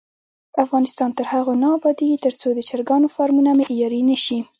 افغانستان تر هغو نه ابادیږي، ترڅو د چرګانو فارمونه معیاري نشي.